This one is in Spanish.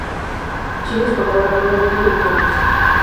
Chile exportaba cuero, trigo y cobre.